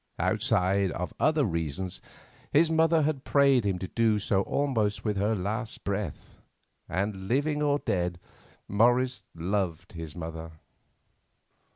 Outside of other reasons, his mother had prayed him to do so almost with her last breath, and, living or dead, Morris loved his mother.